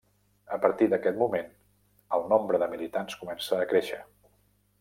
A partir d'aquest moment el nombre de militants comença a créixer.